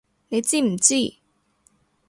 你知唔知！